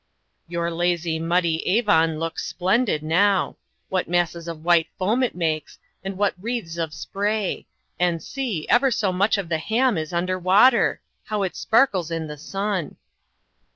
"Your lazy, muddy Avon looks splendid now. What masses of white foam it makes, and what wreaths of spray; and see! ever so much of the Ham is under water. How it sparkles in the sun."